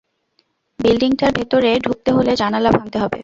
বিল্ডিংটার ভেতরে ঢুকতে হলে জানালা ভাঙতে হবে।